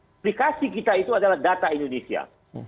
aplikasi kita itu adalah data indonesia